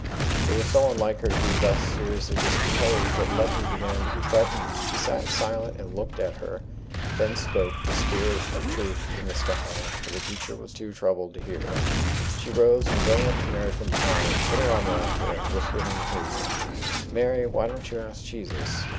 It was so unlike her to be thus seriously discomposed, that Letty began to be frightened. She sat silent and looked at her. Then spoke the spirit of truth in the scholar, for the teacher was too troubled to hear. She rose, and going up to Mary from behind, put her arm round her, and whispered in her ear: "Mary, why don't you ask Jesus?"